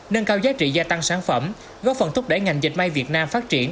nâng cao giá trị gia tăng sản phẩm góp phần thúc đẩy ngành dệt may việt nam phát triển